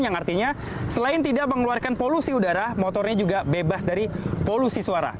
yang artinya selain tidak mengeluarkan polusi udara motornya juga bebas dari polusi suara